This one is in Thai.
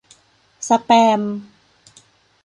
สแปม ?